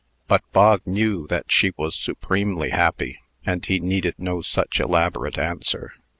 But Bog knew that she was supremely happy, and he needed no such elaborate answer.